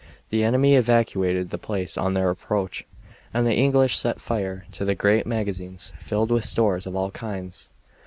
The enemy evacuated the place on their approach, and the English set fire to the great magazines filled with stores of all kinds.